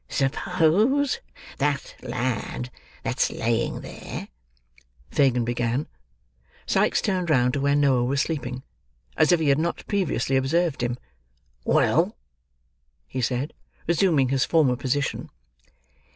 "Suppose that lad that's laying there—" Fagin began. Sikes turned round to where Noah was sleeping, as if he had not previously observed him. "Well!" he said, resuming his former position.